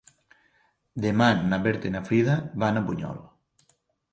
Demà na Berta i na Frida van a Bunyol.